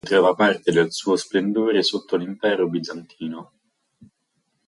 Ritrova parte del suo splendore sotto l'Impero bizantino.